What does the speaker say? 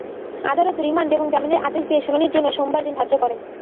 আদালত রিমান্ড এবং জামিনের আদেশ নিয়ে শুনানির জন্য সোমবার দিন ধার্য করেন।